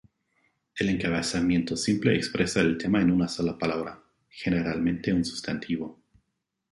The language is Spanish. El encabezamiento simple expresa el tema en una sola palabra, generalmente un sustantivo.